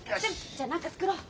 じゃあ何か作ろう。